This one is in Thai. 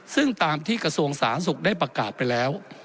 ซึ่งตามที่กระทรวงสาธารณสุขได้ประกาศไปแล้ว